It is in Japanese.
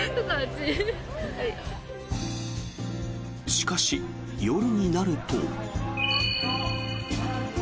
しかし、夜になると。